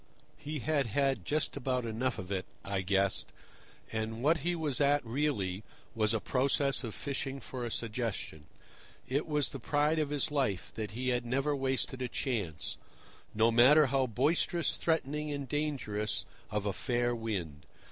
He had had just about enough of it, I guessed, and what he was at really was a process of fishing for a suggestion. It was the pride of his life that he had never wasted a chance, no matter how boisterous, threatening, and dangerous, of a fair wind.